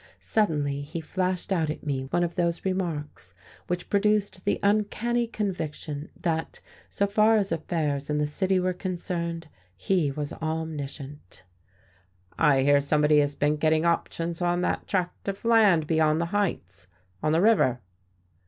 Suddenly, he flashed out at me one of those remarks which produced the uncanny conviction that, so far as affairs in the city were concerned, he was omniscient. "I hear somebody has been getting options on that tract of land beyond the Heights, on the river."